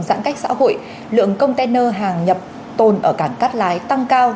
giãn cách xã hội lượng container hàng nhập tồn ở cảng cát lái tăng cao